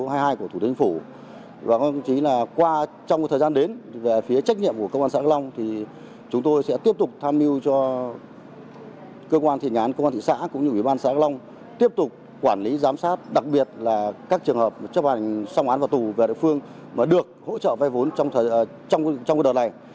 thủ tướng chính phủ đã đề cập thông tin về các trường hợp trong thời gian đến về phía trách nhiệm của công an xã các long thì chúng tôi sẽ tiếp tục tham mưu cho cơ quan thị xã công an thị xã cũng như ủy ban xã các long tiếp tục quản lý giám sát đặc biệt là các trường hợp chấp hành xong án và tù vẹn phương mà được hỗ trợ vay vốn trong thời gian này